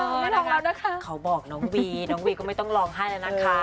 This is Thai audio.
ไม่ร้องแล้วนะคะเขาบอกน้องวีน้องวีก็ไม่ต้องร้องไห้แล้วนะคะ